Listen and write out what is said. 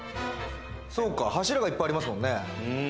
柱がいっぱいありますもんね。